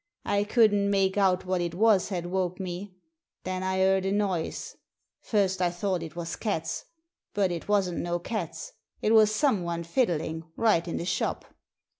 I couldn't make out what it was had woke me. Then I heard a noise. First I thought it was cats. But it wasn't no cats ; it was someone fiddling, right in the shop